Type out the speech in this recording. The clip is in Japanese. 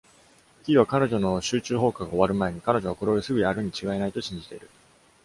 キーは彼女の集中砲火が終わる前に、彼女はこれをすぐやるにちがいないと信じている。